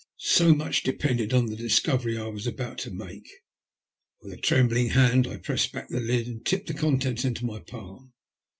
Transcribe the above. So much depended on the discovery I was about to make. With a trembling hand I pressed back the lid, and tipped the contents into my palm.